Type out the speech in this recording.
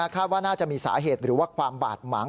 คาดว่าน่าจะมีสาเหตุหรือว่าความบาดหมาง